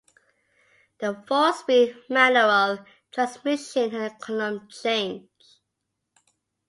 The four speed manual transmission had a column change.